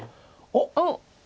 おっ！